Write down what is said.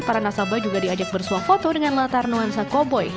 para nasabah juga diajak bersuah foto dengan latar nuansa koboi